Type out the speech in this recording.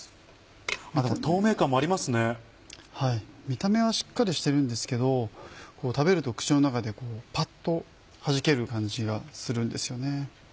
見た目はしっかりしてるんですけど食べると口の中でパッとはじける感じがするんですよね。